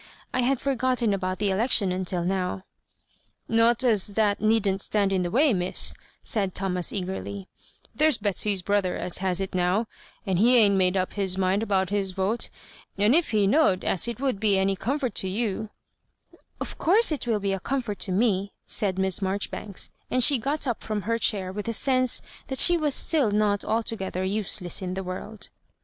I had forgotten about the election until now." Not as that needn't stand in the way, Miss," said Thomas^ eagerly ;" there's Betsy's brother as has it now, and he ain't made up his mind about his vote; and if he knowed as it would be any comfort to you—" "Of course it will be a comfort to me 1 " said Ifiss Marjoribimks ; and she got up from her chair wi^ a sense that she was still not altogether use less in the world.